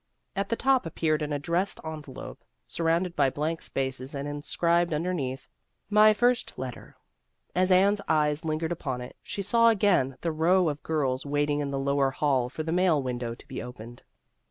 At the top appeared an addressed en A Case of Incompatibility 137 velope, surrounded by blank spaces and inscribed underneath, " My first letter." As Anne's eyes lingered upon it, she saw again the row of girls waiting in the lower hall for the mail window to be opened.